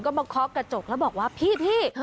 ก็มาเคาะกระจกแล้วบอกว่าพี่